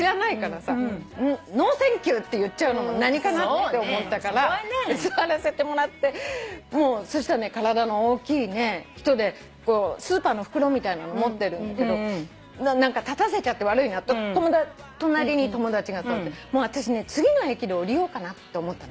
ノーセンキューって言っちゃうのも何かなって思ったから座らせてもらってそしたらね体の大きい人でスーパーの袋みたいなの持ってるんだけど立たせちゃって悪いなと隣に友達が座ってもう私次の駅で降りようかなって思ったの。